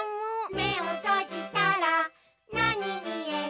「めをとじたらなにみえる？」